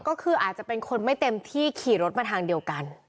ก็คืออาจจะเป็นคนไม่เต็มที่ขี่รถมาทางเดียวกัน